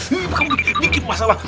ini kamu dikit masalah